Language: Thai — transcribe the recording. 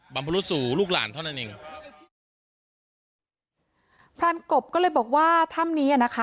บรรพรุษสู่ลูกหลานเท่านั้นเองพรานกบก็เลยบอกว่าถ้ำนี้อ่ะนะคะ